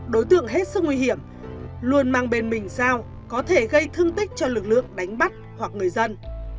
đối tượng hết sức nguy hiểm luôn mang bên mình dao có thể gây thương tích cho lực lượng đánh bắt hoặc người dân